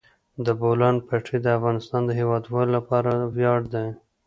د بولان پټي د افغانستان د هیوادوالو لپاره ویاړ دی.